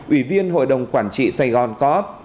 ủy viên hội đồng quản trị sài gòn co op